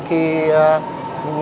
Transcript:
khi nhận được những thông tin